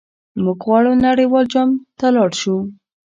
موږ غواړو نړیوال جام ته لاړ شو.